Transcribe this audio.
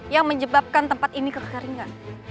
yang menyebabkan tempat ini kekeringan